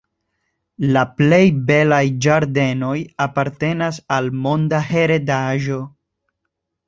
La plej belaj ĝardenoj apartenas al Monda Heredaĵo.